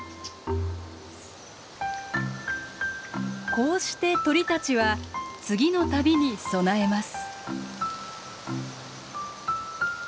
こうして鳥たちは次の旅に備えます。